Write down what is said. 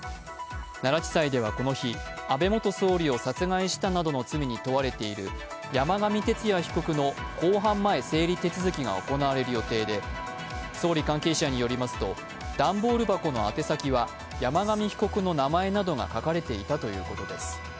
奈良地裁ではこの日、安倍元総理を殺害したなどの罪に問われている山上徹也被告の公判前整理手続が行われる予定で捜査関係者によりますと、段ボールの宛て先は山上被告の名前などが書かれていたということです。